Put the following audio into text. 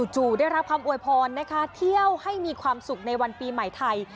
ได้รับคำอวยพรนะคะเที่ยวให้มีความสุขในวันปีใหม่ไทย